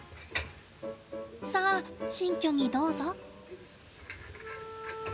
さあ新居にどうぞ。